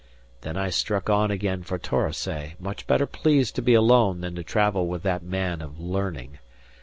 Then I struck on again for Torosay, much better pleased to be alone than to travel with that man of learning.